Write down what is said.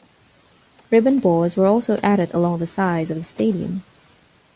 Ribbon boards were also added along the sides of the stadium.